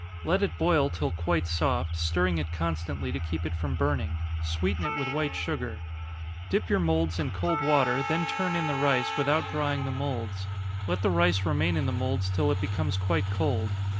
Let it boil till quite soft, stirring it constantly to keep it from burning sweeten it with white sugar. Dip your moulds in cold water, then turn in the rice, without drying the moulds. Let the rice remain in the moulds till it becomes quite cold.